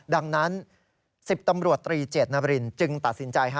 ดังนั้น๑๐ตำรวจตรีเจตนาบรินจึงตัดสินใจ